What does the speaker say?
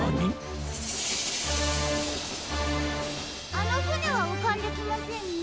あのふねはうかんできませんね。